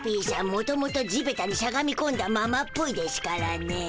もともと地べたにしゃがみこんだままっぽいでしゅからね。